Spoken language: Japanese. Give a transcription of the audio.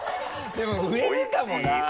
でも売れるかもな。